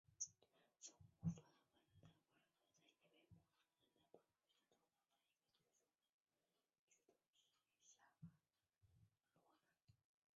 身无分文的巴克在一位陌生人的帮助下找到了居住在喀土穆的丁卡人聚居区贾巴罗纳。